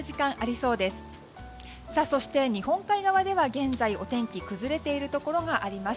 そして、日本海側では現在お天気崩れているところがあります。